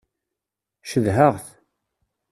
Cedhaɣ-t.